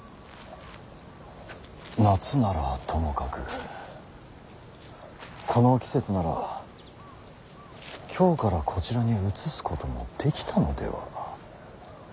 夏ならともかくこの季節なら京からこちらに移すこともできたのでは。